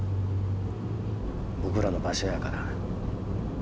僕らの場所やから。